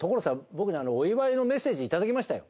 僕ねお祝いのメッセージいただきましたよ。